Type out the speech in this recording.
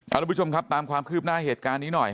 ์เราล่ะคุณผู้ชมตามความคืบหน้าเหตุการณ์นี้หน่อย